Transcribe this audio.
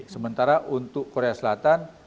sementara untuk korea selatan